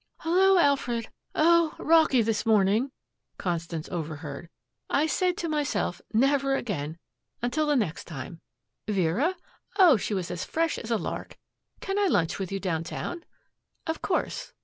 "Hello, Alfred oh, rocky this morning," Constance overheard. "I said to myself, 'Never again until the next time. Vera? Oh, she was as fresh as a lark. Can I lunch with you downtown? Of course.'"